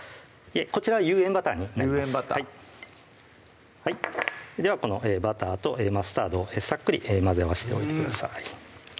いえこちらは有塩バターになりますではこのバターとマスタードをさっくり混ぜ合わせておいてください